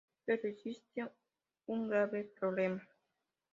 Pero existe un grave problema.